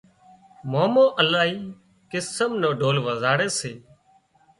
مامو االاهي قسم نو ڍول وزاڙي سي